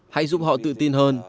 hãy giúp họ tự tin hơn